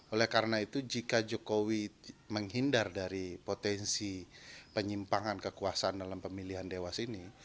oleh karena itu jika jokowi menghindar dari potensi penyimpangan kekuasaan dalam pemilihan dewas ini